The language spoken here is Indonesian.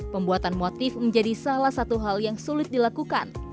pembuatan motif menjadi salah satu hal yang sulit dilakukan